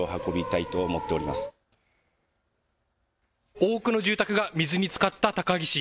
多くの住宅が水につかった高萩市。